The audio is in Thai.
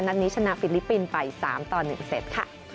นัดนี้ชนะฟิลิปปินส์ไป๓ต่อ๑เซตค่ะ